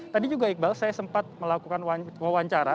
tadi juga iqbal saya sempat melakukan wawancara